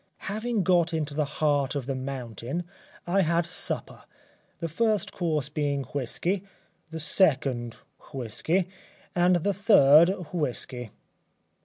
Having got into the heart of the mountain I had supper, the first course being whisky, the second whisky and the third whisky.